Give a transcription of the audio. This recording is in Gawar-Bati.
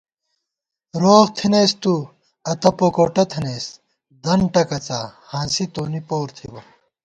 روغ تھنَئیس تُو، اتّہ پوکوٹہ تھنَئیس، دن ٹَکَڅا ہانسی تونی پور تھِبہ